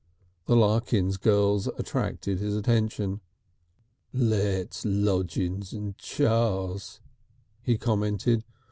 The Larkins girls attracted his attention. "Let's lodgin's and chars," he commented.